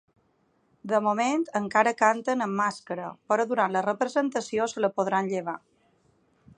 De moment, encara canten amb màscara, però durant la representació se la podran llevar.